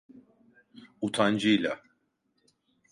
Utancıyla.